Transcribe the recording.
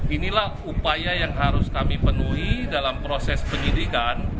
inilah upaya yang harus kami penuhi dalam proses penyidikan